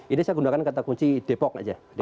ini saya gunakan kata kunci depok aja